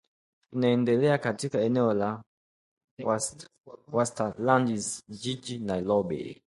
inaendelea katika eneo la Westlands Jijini Nairobi